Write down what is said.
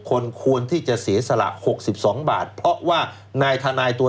คนควรที่จะเสียสละหกสิบสองบาทเพราะว่านายทนายตัว